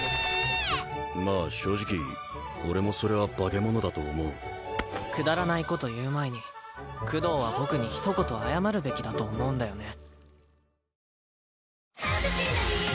まあ正直俺もそれは化け物だと思うくだらないこと言う前にクドーは僕に一言謝るべきだと思うんだよね